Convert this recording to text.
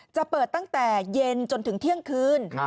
จะเปิดตั้งแต่เย็นจนถึงเที่ยงคืน